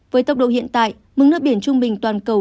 với tốc độ hiện tại mức nước biển trung bình toàn cầu